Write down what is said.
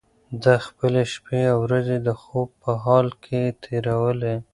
ده خپلې شپې او ورځې د خوب په حال کې تېرولې.